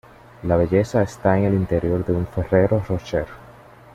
La belleza está en el interior de un Ferrero Rocher.